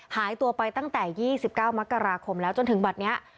หายตัวไปตั้งแต่๒๙มกราคมแล้วจนถึงบัตรนี้